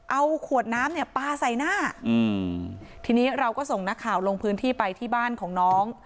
เอาขวดน้ำเนี่ยปลาใส่หน้าอืมทีนี้เราก็ส่งนักข่าวลงพื้นที่ไปที่บ้านของน้อง